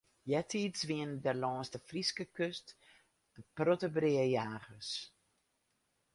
Eartiids wienen der lâns de Fryske kust in protte breajagers.